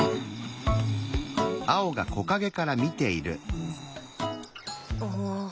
うん。あっ。